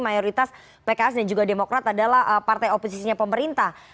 mayoritas pks dan juga demokrat adalah partai oposisinya pemerintah